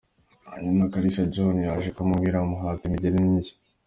Nyuma Kalisa John yaje kumwubikira amuhata imigeri n’inshyi.